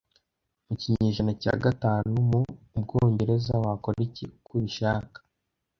Mu kinyejana cya gatanu mu Ubwongereza wakora iki uko ubishaka